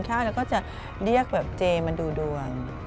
พี่เรียกแบบเจมส์มาดูดวง